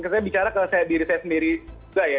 saya bicara ke diri saya sendiri juga ya